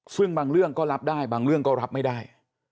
ซึ่งบางเรื่องก็รับได้บางเรื่องก็รับไม่ได้